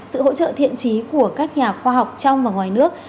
sự thiện trí của các nhà khoa học trong và ngoài nước